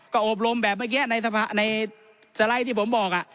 ก็อบรมแบบเมื่อกี้ในสไลด์ที่ผมบอก